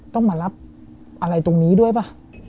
ต้องมารับอะไรตรงนี้ด้วยป่ะ